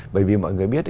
bởi vì mọi người biết